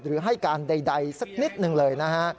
ให้การใดสักนิดหนึ่งเลยนะฮะ